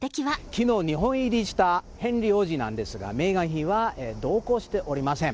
きのう、日本入りしたヘンリー王子なんですが、メーガン妃は同行しておりません。